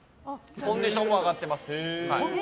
コンディションも上がっています。